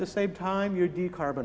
anda menghidupkan karbon